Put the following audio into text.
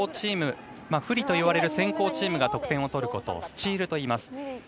不利といわれる先攻チームが得点を取ることをスチールといいます。